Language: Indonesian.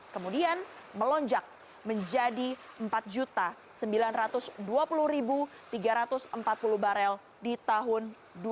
kemudian melonjak menjadi empat sembilan ratus dua puluh tiga ratus empat puluh barel di tahun dua ribu dua puluh